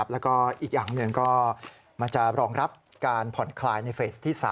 แล้วก็อีกอย่างหนึ่งก็มันจะรองรับการผ่อนคลายในเฟสที่๓